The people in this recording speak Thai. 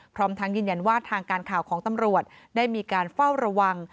พร้อมทั้งยืนยันว่าทางการข่าวของตำรวจได้มีการเฝ้าระวัง